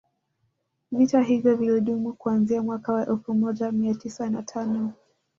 Vita hivyo vilidumu kuanzia mwaka wa elfu moja mia tisa na tano